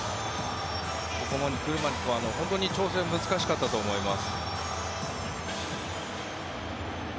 ここまで来るのに、本当に調整難しかったと思います。